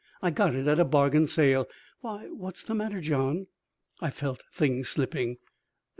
I got it at a bargain sale. Why, what's the matter, John?" I felt things slipping.